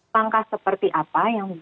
langkah seperti apa